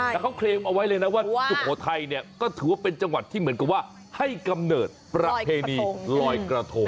แต่เขาเคลมเอาไว้เลยนะว่าสุโขทัยเนี่ยก็ถือว่าเป็นจังหวัดที่เหมือนกับว่าให้กำเนิดประเพณีลอยกระทง